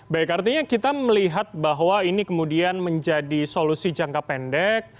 baik artinya kita melihat bahwa ini kemudian menjadi solusi jangka pendek